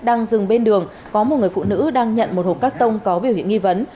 đang dừng bên đường có một người phụ nữ đang nhận một hộp cắt tông có biểu hiện nghi vấn